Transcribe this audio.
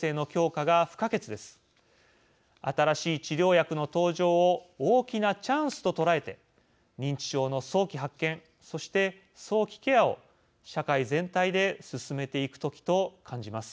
新しい治療薬の登場を大きなチャンスと捉えて認知症の早期発見そして早期ケアを社会全体で進めていく時と感じます。